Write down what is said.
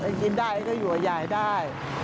เอ็งกินได้เอ็งก็อยู่กับยายได้